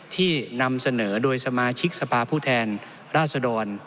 นำเสนอโดยสมาชิกสภาพผู้แทนราษดร